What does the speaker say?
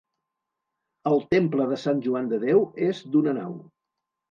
El temple de Sant Joan de Déu és d'una nau.